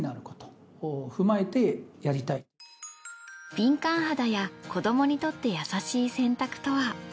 敏感肌や子供にとって優しい洗濯とは？